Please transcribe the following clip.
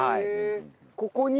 ここに？